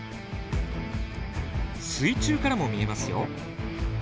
水中からも見えますよ。